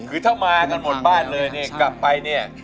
คือถ้ามากันหมดบ้านเลยเนี่ยกลับไปเนี่ย